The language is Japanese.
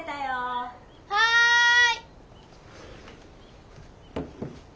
はい。